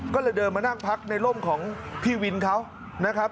ก็เลยเดินมานั่งพักในร่มของพี่วินเขานะครับ